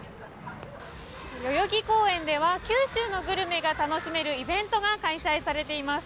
代々木公園では九州のグルメが楽しめるイベントが開催されています。